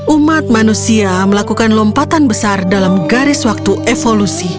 umat manusia melakukan lompatan besar dalam garis waktu evolusi